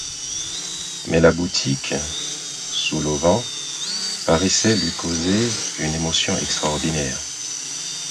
Mais la boutique, sous l’auvent, paraissait lui causer une émotion extraordinaire.